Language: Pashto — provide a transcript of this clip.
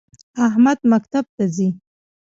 احمد مکتب ته ځی